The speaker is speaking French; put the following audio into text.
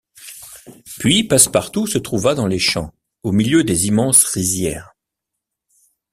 Puis Passepartout se trouva dans les champs, au milieu des immenses rizières.